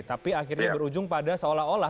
tapi akhirnya berujung pada seolah olah